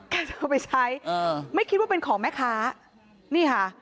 จะเอาไปใช้อ่าไม่คิดว่าเป็นของแม่ค้านี่ค่ะ